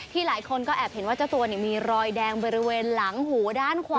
หลายคนก็แอบเห็นว่าเจ้าตัวมีรอยแดงบริเวณหลังหูด้านขวา